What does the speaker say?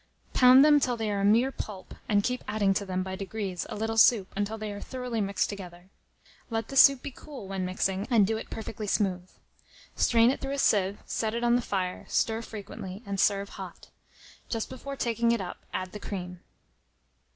Pound them till they are a mere pulp, and keep adding to them, by degrees, a little soup until they are thoroughly mixed together. Let the soup be cool when mixing, and do it perfectly smooth. Strain it through a sieve, set it on the fire, stir frequently, and serve hot. Just before taking it up, add the cream.